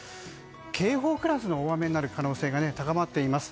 警報クラスの大雨になる可能性が高まっています。